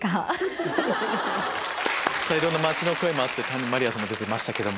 いろんな街の声もあって谷まりあさんも出てました。